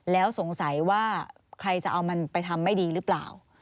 แล้วสงสัยว่าใครจะเอามันไปทำไม่ดีหรือเปล่า